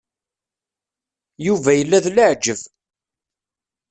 Yuba yella d leɛǧeb.